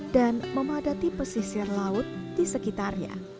dan memadati pesisir laut di sekitarnya